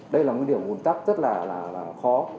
đây là một điểm buồn tắc rất là khó